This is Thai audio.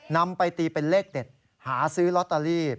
นำไปตีเป็นเลขเด็ดหาซื้อลอตเตอรี่